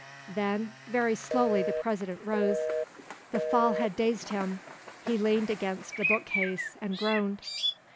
Then very slowly the President rose. The fall had dazed him; he leaned against the book case and groaned.